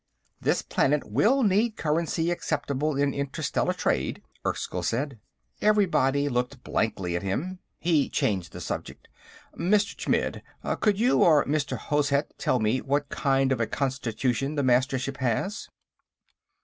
"This planet will need currency acceptable in interstellar trade," Erskyll said. Everybody looked blankly at him. He changed the subject: "Mr. Chmidd, could you or Mr. Hozhet tell me what kind of a constitution the Mastership has?"